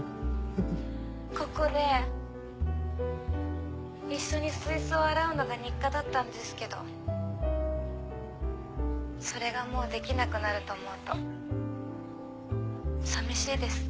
ここで一緒に水槽を洗うのが日課だったんですけどそれがもうできなくなると思うと寂しいです。